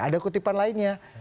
ada kutipan lainnya